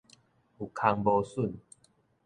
有空無榫